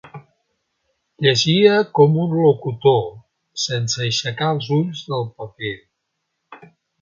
Llegia com un locutor, sense aixecar els ulls del paper.